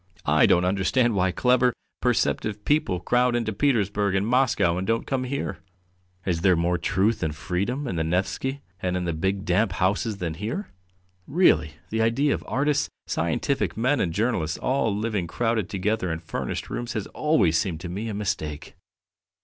I don't understand why clever, perceptive people crowd into Petersburg and Moscow and don't come here. Is there more truth and freedom in the Nevsky and in the big damp houses than here? Really, the idea of artists, scientific men, and journalists all living crowded together in furnished rooms has always seemed to me a mistake."